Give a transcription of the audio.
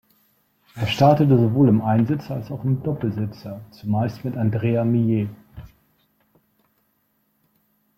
Er startete sowohl im Einsitzer als auch im Doppelsitzer, zumeist mit Andrea Millet.